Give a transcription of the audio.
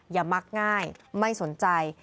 อย่ามักง่ายไม่สนใจ